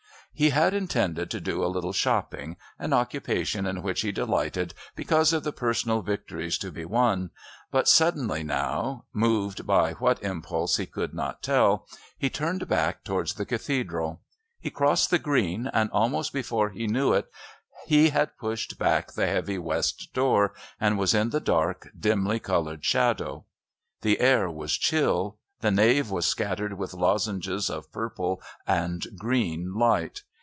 He had intended to do a little shopping, an occupation in which he delighted because of the personal victories to be won, but suddenly now, moved by what impulse he could not tell, he turned back towards the Cathedral. He crossed the Green, and almost before he knew it he had pushed back the heavy West door and was in the dark, dimly coloured shadow. The air was chill. The nave was scattered with lozenges of purple and green light.